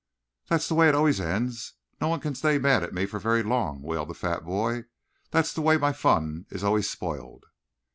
"That's the way it always ends. No one can stay mad at me for very long," wailed the fat boy. "That's the way my fun is always spoiled."